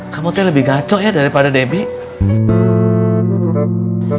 kamu tuh lebih gacoh ya daripada debbie